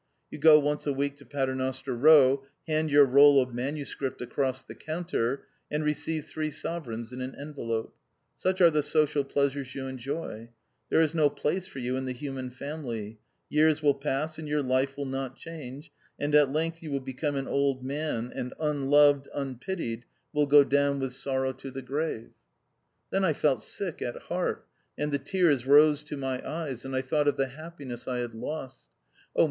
You go once a week to Paternoster Eow, hand your roll of manuscript across the counter, and receive three sovereigns in an envelope. Such are the social pleasures you enjoy; there is no place for you in the human family ; years will pass, and your life will not change, and at length you will become an old man, and, unloved, unpitied, will go down with sorrow to the grave." THE OUTCAST. 159 Then I felt sick at heart, and the tears rose to my eyes, and I thought of the happi ness I had lost. " Oh